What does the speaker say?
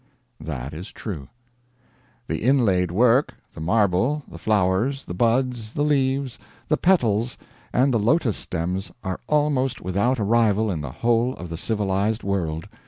That is true. "The inlaid work, the marble, the flowers, the buds, the leaves, the petals, and the lotus stems are almost without a rival in the whole of the civilized world."